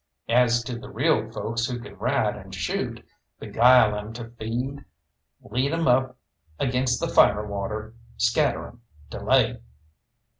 As to the real folks who kin ride and shoot, beguile 'em to feed, lead 'em up against the fire water, scatter 'em, delay!